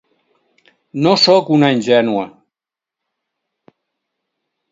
No sóc una ingènua.